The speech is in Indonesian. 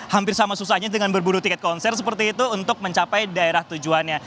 hampir sama susahnya dengan berburu tiket konser seperti itu untuk mencapai daerah tujuannya